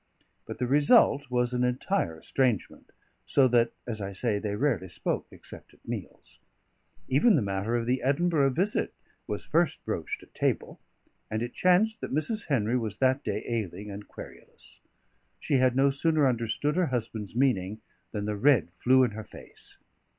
But the result was an entire estrangement, so that (as I say) they rarely spoke, except at meals. Even the matter of the Edinburgh visit was first broached at table, and it chanced that Mrs. Henry was that day ailing and querulous. She had no sooner understood her husband's meaning than the red flew in her face.